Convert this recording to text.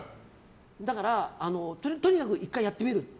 だから、とにかく１回やってみる。